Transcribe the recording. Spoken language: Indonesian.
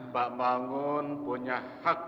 pak mangun punya hak